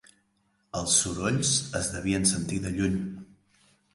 Els sorolls es devien sentir de lluny.